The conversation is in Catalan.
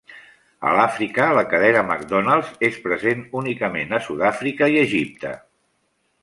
A l'Àfrica, la cadena McDonald's és present únicament a Sud-àfrica i Egipte.